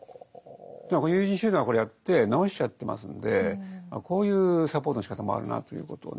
でも友人集団はこれをやって治しちゃってますのでこういうサポートのしかたもあるなということをね